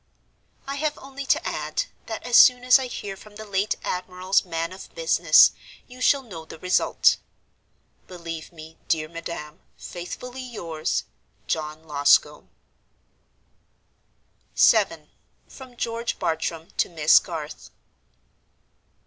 "I have only to add, that as soon as I hear from the late admiral's man of business, you shall know the result. "Believe me, dear madam, "Faithfully yours, "JOHN LOSCOMBE." VII. From George Bartram to Miss Garth.